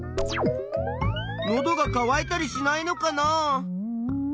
のどがかわいたりしないのかな？